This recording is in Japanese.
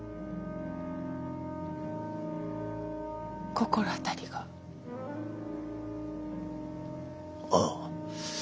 心当たりが？ああ。